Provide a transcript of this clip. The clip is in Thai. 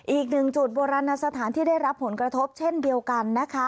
อีกหนึ่งจุดโบราณสถานที่ได้รับผลกระทบเช่นเดียวกันนะคะ